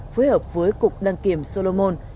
phối hợp với cục đăng kiểm solomon